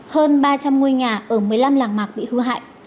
hơn ba trăm linh ngôi nhà ở một mươi năm làng mạc bị hư hại